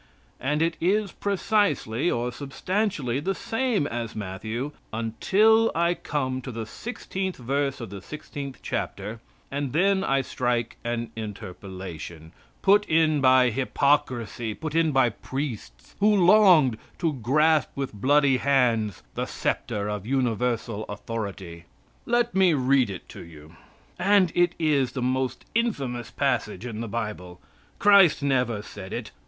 And it is precisely, or substantially, the same as Matthew until I come to the 16th verse of the 16th chapter, and then I strike an interpolation, put in by hypocrisy, put in by priests, who longed to grasp with bloody hands the sceptre of universal authority. Let me read it to you. And it is the most infamous passage in the Bible. Christ never said it.